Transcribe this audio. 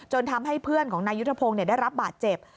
ทำให้เพื่อนของนายยุทธพงศ์ได้รับบาดเจ็บ